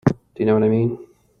Do you know what I mean?